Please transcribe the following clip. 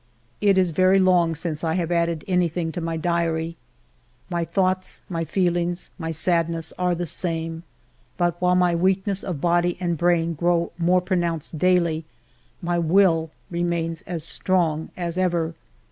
It is very long since I have added anything to my diary. 204 FIVE YEARS OF MY LIFE My thoughts, my feelings, my sadness, are the same ; but while my weakness of body and brain grow more pronounced daily, my will remains as strong as ever.